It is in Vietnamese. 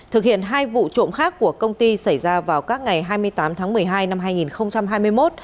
thực hiện hai vụ trộm khác của công ty xảy ra vào các ngày hai mươi tám tháng một mươi hai năm hai nghìn hai mươi một